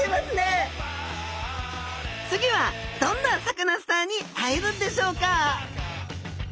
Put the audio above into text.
次はどんなサカナスターに会えるんでしょうか。